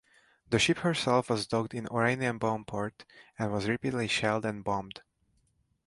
The ship herself was docked in Oranienbaum port, and was repeatedly shelled and bombed.